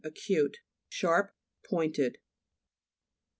Acute ; sharp pointed.